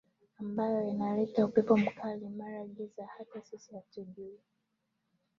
ambayo inaleta upepo mkali mara giza hata sisi hatujuwi